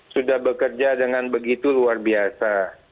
sudah bekerja dengan begitu luar biasa